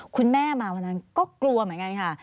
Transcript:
คุณแม่มาวันนั้นก็กลัวเหมือนกันค่ะ